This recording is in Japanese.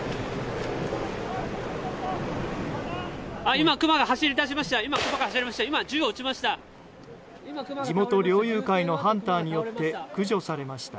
今クマが走り出しました。